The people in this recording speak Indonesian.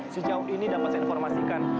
sejauh ini dapat saya informasikan